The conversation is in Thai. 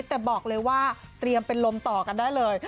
แต่บอกเลยว่าเตรียมเป็นลมต่อกันได้เลย